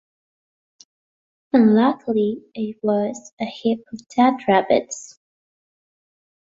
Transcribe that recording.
Unluckily, it was a heap of dead rabbits.